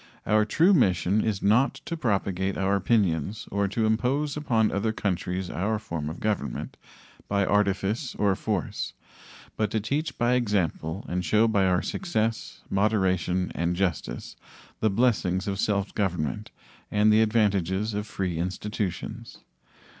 Our true mission is not to propagate our opinions or impose upon other countries our form of government by artifice or force, but to teach by example and show by our success, moderation, and justice the blessings of self government and the advantages of free institutions.